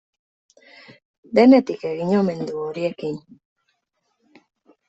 Denetik egin omen du horiekin.